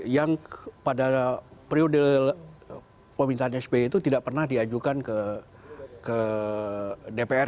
yang pada periode pemerintahan sby itu tidak pernah diajukan ke dpr